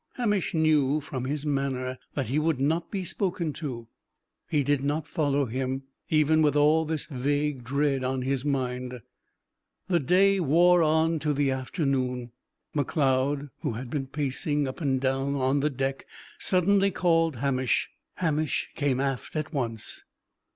Hamish knew from his manner that he would not be spoken to. He did not follow him, even with all this vague dread on his mind. The day wore on to the afternoon. Macleod, who had been pacing up and down the deck, suddenly called Hamish. Hamish came aft at once.